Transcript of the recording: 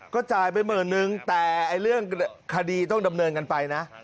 ก็จ่ายไปหมื่นนึงแต่เรื่องคดีต้องดำเนินกันไปนะ